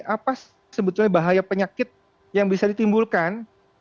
apa sebetulnya bahaya penyakit yang bisa ditimbulkan